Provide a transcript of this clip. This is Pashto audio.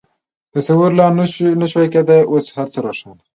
تصور لا نه شوای کېدای، اوس هر څه روښانه.